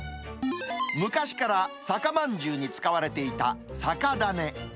昔から酒まんじゅうに使われていた酒種。